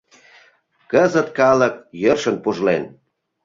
Кызыт калык йӧршын пужлен...